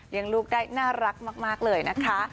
ลูกได้น่ารักมากเลยนะคะ